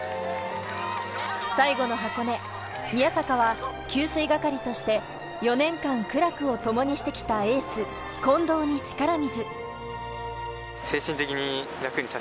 最後の箱根、宮坂は給水係として４年間、苦楽をともにしてきたエース・近藤に力水。